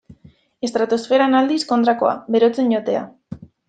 Estratosferan aldiz, kontrakoa: berotzen joatea.